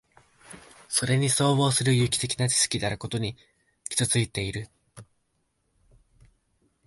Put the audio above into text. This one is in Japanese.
それに相応する有機的な知識であることに基いている。